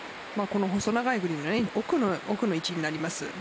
細長いグリーンの奥の位置になります。